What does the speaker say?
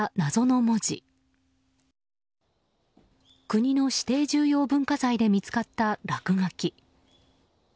国の指定重要文化財で見つかった落書き。